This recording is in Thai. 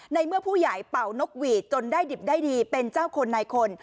ในเมื่อผู้ใหญ่เป่านกหวีดจนได้ดิบได้ดีเป็นเจ้าคนในคน